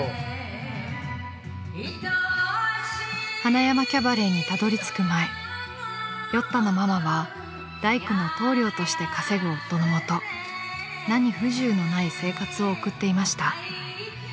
［塙山キャバレーにたどり着く前酔ったのママは大工の棟梁として稼ぐ夫のもと何不自由のない生活を送っていました］